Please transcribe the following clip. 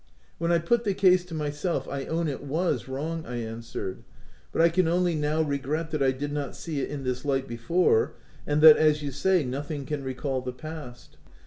" When I put the case to myself, I own it was w T rong," I answered ;" but I can only now regret that I did not see it in this light be fore, and that, as you say, nothing can recall the past."